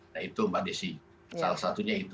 nah itu mbak desi salah satunya itu